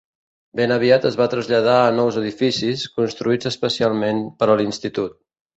Ben aviat es van traslladar a nous edificis, construïts especialment per a l'institut.